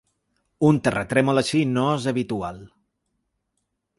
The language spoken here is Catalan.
Un terratrèmol així no és habitual.